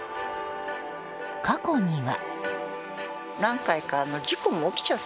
過去には。